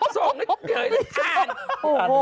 ส่งเก๋อยอ่าน